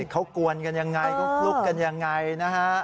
เขากวนกันยังไงเขาคลุกกันยังไงนะฮะ